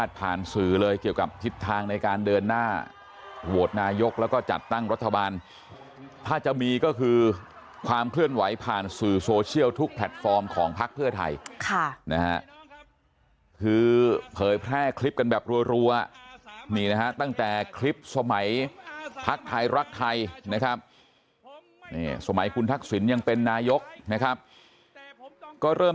ตั้งรัฐบาลถ้าจะมีก็คือความเคลื่อนไหวผ่านสื่อโซเชียลทุกแพลตฟอร์มของพลักษณ์เพื่อไทยคือเผยแพร่คลิปกันแบบรัวตั้งแต่คลิปสมัยพลักษณ์ไทยรักไทยนะครับสมัยคุณทักศิลป์ยังเป็นนายกนะครับก็เริ่ม